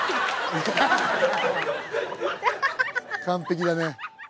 完璧だね。